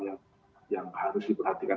yang harus diperhatikan